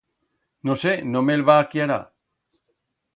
No sé, no me'l va acllarar.